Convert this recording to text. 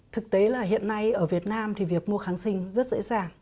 thực tế là hiện nay ở việt nam thì việc mua kháng sinh rất dễ dàng